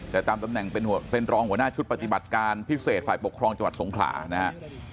แต่ตามตำแหน่งเป็นรองหัวหน้าชุดปฏิบัติการพิเศษฝ่ายปกครองจังหวัดสงขลานะฮะ